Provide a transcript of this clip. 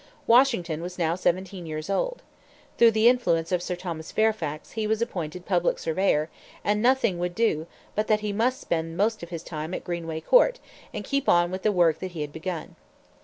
Washington was now seventeen years old. Through the influence of Sir Thomas Fairfax he was appointed public surveyor; and nothing would do but that he must spend the most of his time at Greenway Court and keep on with the work that he had begun.